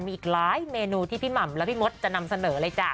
มีอีกหลายเมนูที่พี่หม่ำและพี่มดจะนำเสนอเลยจ้ะ